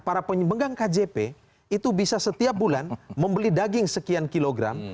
para pemegang kjp itu bisa setiap bulan membeli daging sekian kilogram